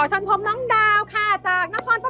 ฉันผมน้องดาวค่ะจากนะครผถธรพ์ค่ะ